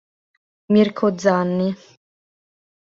Mirko Zanni